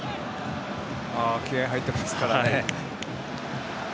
気合い入ってますからね。